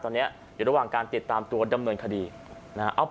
ตอนนี้อยู่ระหว่างการติดตามตัวดำเนินคดีนะฮะ